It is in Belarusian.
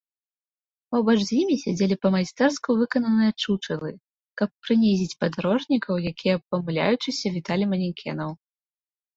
Побач з імі сядзелі па-майстэрску выкананыя чучалы, каб прынізіць падарожнікаў, якія памыляючыся віталі манекенаў.